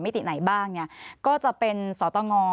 มิติไหนบ้างก็จะเป็นสตง